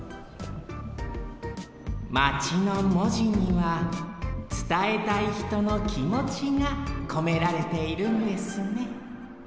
まちのもじにはつたえたいひとのきもちがこめられているんですね